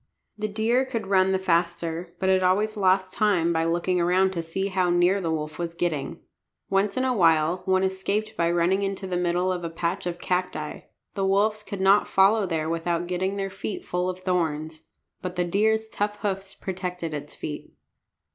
The deer could run the faster, but it always lost time by looking around to see how near the wolf was getting. Once in a while one escaped by running into the middle of a patch of cacti. The wolves could not follow there without getting their feet full of thorns. But the deer's tough hoofs protected its feet.